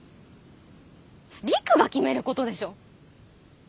陸が決めることでしょう？